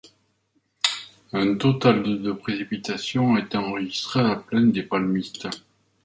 Un total de de précipitations a été enregistré à La Plaine-des-Palmistes.